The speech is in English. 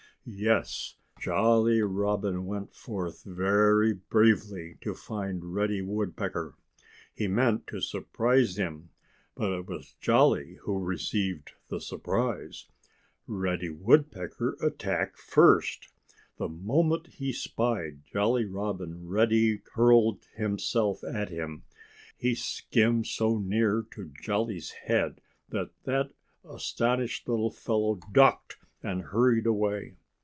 Yes! Jolly Robin went forth very bravely to find Reddy Woodpecker. He meant to surprise him. But it was Jolly who received the surprise. Reddy Woodpecker attacked first! The moment he spied Jolly Robin Reddy hurled himself at him. He skimmed so near to Jolly's head that that astonished little fellow ducked and hurried away.